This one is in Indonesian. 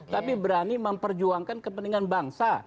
tapi berani memperjuangkan kepentingan bangsa